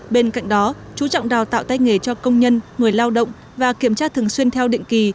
bên cạnh đó chú trọng đào tạo tay nghề cho công nhân người lao động và kiểm tra thường xuyên theo định kỳ